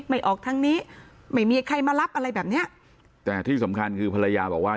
ไม่ออกทางนี้ไม่มีใครมารับอะไรแบบเนี้ยแต่ที่สำคัญคือภรรยาบอกว่า